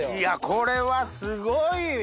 これはすごいよ！